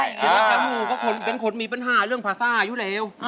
จริงแล้วหนูก็เป็นคนมีปัญหาเรื่องภาษาอยู่แล้ว